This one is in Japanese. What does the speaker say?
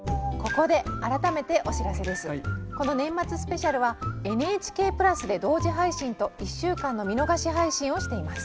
この「年末スペシャル」はＮＨＫプラスで同時配信と１週間の見逃し配信をしています。